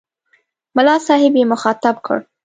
ملا صاحب یې مخاطب کړ.